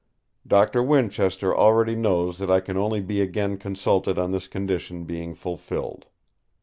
Doctor Winchester already knows that I can only be again consulted on this condition being fulfilled.